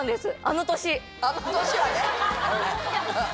あの年はね。